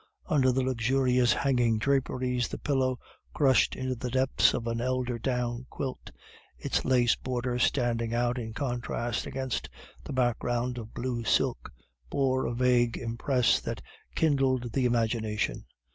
Under the luxurious hanging draperies, the pillow, crushed into the depths of an eider down quilt, its lace border standing out in contrast against the background of blue silk, bore a vague impress that kindled the imagination.